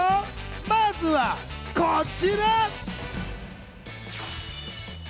まずはこちら！